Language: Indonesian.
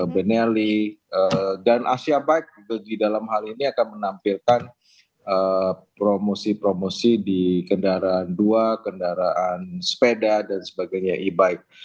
bernely dan asia bike juga di dalam hal ini akan menampilkan promosi promosi di kendaraan dua kendaraan sepeda dan sebagainya e bike